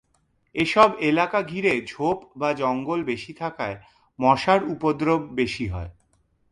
এসব এলাকা ঘিরে ঝোপ বা জঙ্গল বেশি থাকায় মশার উপদ্রব বেশি হয়।